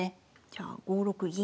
じゃあ５六銀。